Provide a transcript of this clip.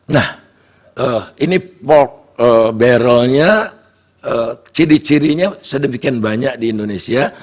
nah ini barrelnya ciri cirinya sedemikian banyak di indonesia